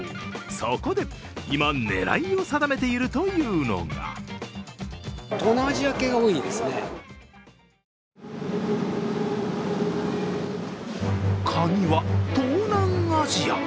そこで今、狙いを定めているというのがカギは東南アジア。